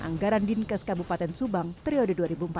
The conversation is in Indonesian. anggaran dinkes kabupaten subang periode dua ribu empat belas